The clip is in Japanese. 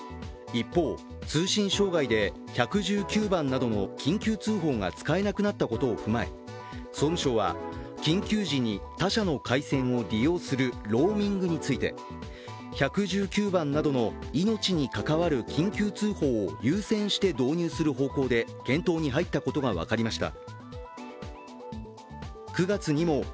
一方、通信障害で１１９番などの緊急通報が使えなくなったことを踏まえ総務省は緊急時に他社の回線を利用するローミングについて、１１９番などの命に関わる緊急通報を優先して導入する方向で検討に入ったことが分かりました。